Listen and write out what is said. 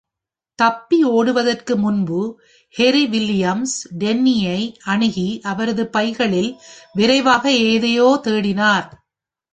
தப்பி ஓடுவதற்கு முன்பு, carry Williams டென்னியை அணுகி, அவரது பைகளில் விரைவாக எதையோ தேடினார்.